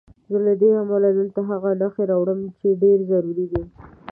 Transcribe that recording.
له دې امله دلته هغه نښې راوړو چې ډېرې ضروري دي.